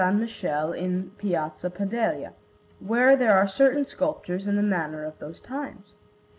Michele in Piazza Padella, where there are certain sculptures in the manner of those times.